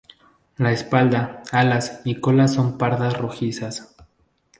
La espalda, alas y cola son pardas rojizas.